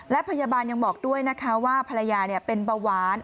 และพยาบาลยังบอกด้วยนะคะว่าภรรยาเป็นเบาหวาน